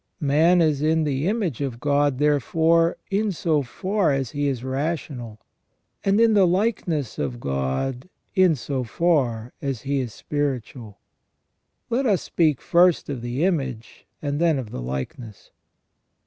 Man is in the image of God, therefore, in so far as he is rational ; and in the likeness of God in so far as he is spiritual. Let us speak first of the image, and then of the likeness.